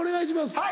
はい。